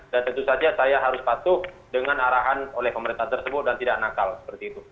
dan tentu saja saya harus patuh dengan arahan oleh pemerintah tersebut dan tidak nakal seperti itu